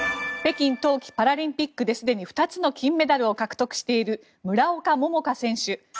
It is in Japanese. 北京冬季パラリンピックですでに２つの金メダルを獲得している村岡桃佳選手。